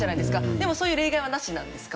でも、そういう例外はなしなんですか。